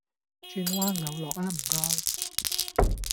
轉彎有落呀唔該